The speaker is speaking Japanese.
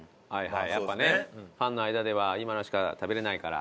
やっぱねファンの間では今しか食べられないから。